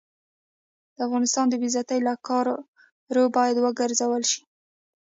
د افغانستان د بې عزتۍ له کارو باید وګرزول شي.